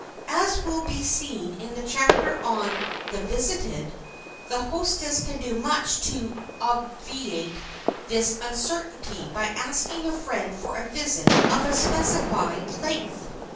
As will be seen in the chapter on "The Visited," the hostess can do much to obviate this uncertainty by asking a friend for a visit of a specified length.